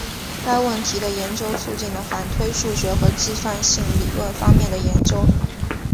该问题的研究促进了反推数学和计算性理论方面的研究。